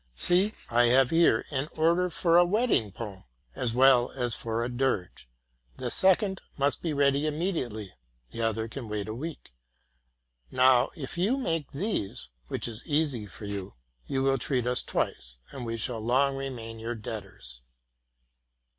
See, I have here an order for a wedding poem, as well as for a dirge. The second must be ready immediately, the other can wait a week. Now, if you make these, which is easy for you, you will treat us twice; and we shall long re main your debtors.